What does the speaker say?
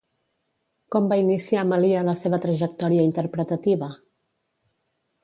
Com va iniciar Malia la seva trajectòria interpretativa?